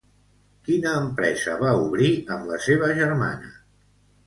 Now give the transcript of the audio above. Quina empresa va obrir amb la seva germana?